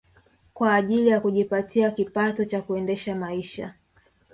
Kwa ajili ya kujipatia kipato cha kuendesha maisha